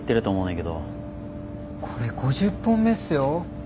これ５０本目っすよ。